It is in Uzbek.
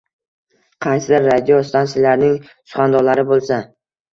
Qaysidir radiostansiyalarning suxandonlari boʻlsa